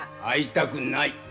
会いたくない！